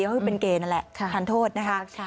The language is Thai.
ก็คือเป็นเกณฑ์นั่นแหละทานโทษนะคะ